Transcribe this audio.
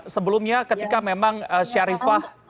sebelumnya ketika memang syarifah